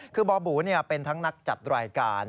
คือบ่อบูเป็นทั้งนักจัดรายการ